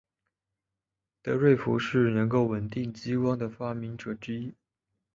德瑞福是能够稳定激光的的发明者之一。